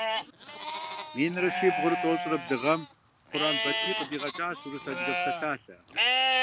Минрэ щибгъурэ тӀощӀрэ блы гъэм Хъуран Батий къыдигъэкӀащ урыс-адыгэ псалъалъэ.